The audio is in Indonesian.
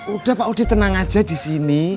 udah pak udi tenang aja disini